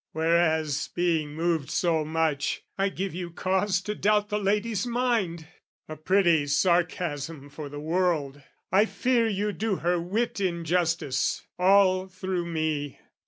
whereas, being moved so much, I give you cause to doubt the lady's mind: A pretty sarcasm for the world! I fear You do her wit injustice, all through me!